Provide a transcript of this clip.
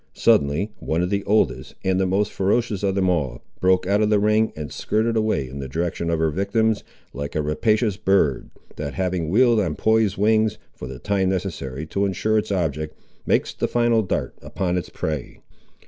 Suddenly, one of the oldest, and the most ferocious of them all, broke out of the ring, and skirred away in the direction of her victims, like a rapacious bird, that having wheeled on poised wings, for the time necessary to ensure its object, makes the final dart upon its prey.